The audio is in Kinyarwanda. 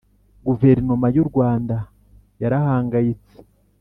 guverinoma y'u rwanda yarahangayitse.